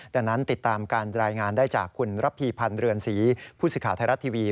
ดังนั้นติดตามการรายงานได้จากคุณระพีพันธ์เรือนศรีผู้สื่อข่าวไทยรัฐทีวี